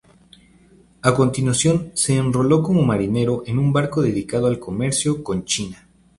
A continuación se enroló como marinero en un barco dedicado al comercio con China.